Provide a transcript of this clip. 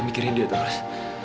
mikirin dia terus